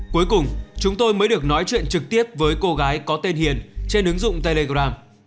cuối cùng chúng tôi mới được nói chuyện trực tiếp với cô gái có tên hiền trên ứng dụng telegram